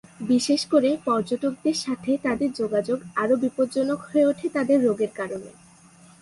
বিশেষ করে পর্যটকদের সাথে তাদের যোগাযোগ আরও বিপজ্জনক হয়ে ওঠে তাদের রোগের কারণে।